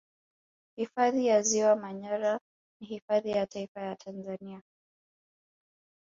Hifadhi ya Ziwa Manyara ni hifadhi ya Taifa ya Tanzania